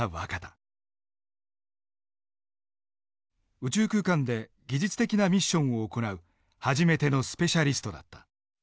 宇宙空間で技術的なミッションを行う初めてのスペシャリストだった。